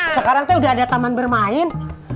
sekarang tuh udah ada taman bermain